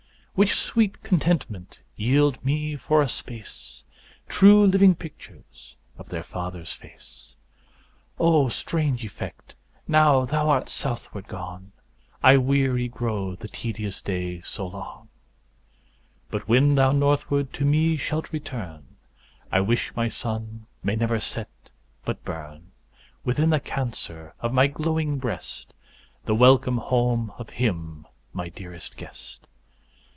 Which sweet contentment yield me for a space, True living pictures of their father's face. O strange effect! now thou art southward gone, I weary grow the tedious day so long; But when thou northward to me shalt return, I wish my Sun may never set, but burn Within the Cancer of my glowing breast, The welcome house of him my dearest guest.